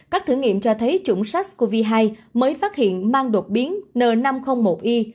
các thử nghiệm cho thấy chủng sars cov hai mới phát hiện mang đột biến n năm trăm linh một i